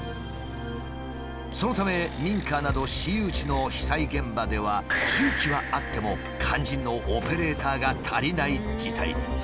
そのため民家など私有地の被災現場では重機はあっても肝心のオペレーターが足りない事態に。